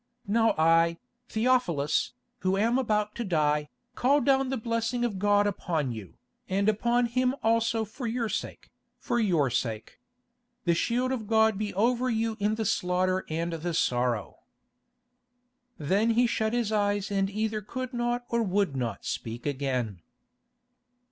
Now I, Theophilus, who am about to die, call down the blessing of God upon you, and upon him also for your sake, for your sake. The shield of God be over you in the slaughter and the sorrow." Then he shut his eyes and either could not or would not speak again.